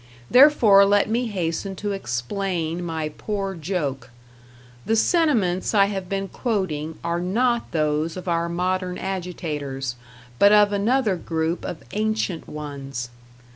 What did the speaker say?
Therefore let me hasten to explain my poor joke; the sentiments I have been quoting are not those of our modern agitators, but of another group of ancient ones.